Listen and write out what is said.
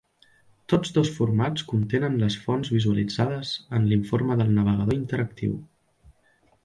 Tots dos formats contenen les fonts visualitzades en l'informe del navegador interactiu.